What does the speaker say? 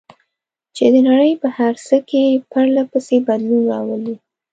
چې د نړۍ په هر څه کې پرله پسې بدلون راولي.